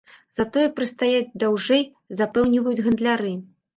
Затое прастаяць даўжэй, запэўніваюць гандляры.